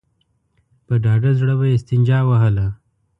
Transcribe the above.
په ډاډه زړه به يې استنجا وهله.